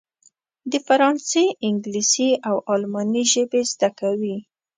د فرانسې، انګلیسي او الماني ژبې زده کوي.